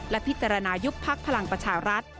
และพิจารณายุบพักพลังประชารัฐ